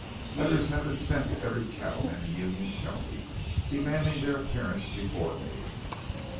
"Letters have been sent to every cattleman in Union County, demanding their appearance before me.